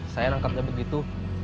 saya rangkapnya begitu